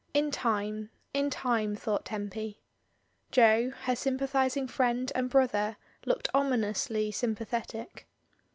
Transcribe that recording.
In time, in time, thought Tempy. Jo, her sympathising friend and brother, looked ominously sjmapathetic.